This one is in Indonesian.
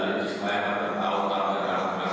tidak ada yang menghukum semuanya dengan diri